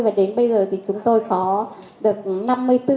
và đến bây giờ thì chúng tôi có được năm mươi bốn nhân viên